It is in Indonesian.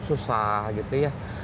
susah gitu ya